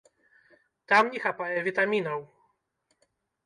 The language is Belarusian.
Там не хапае вітамінаў.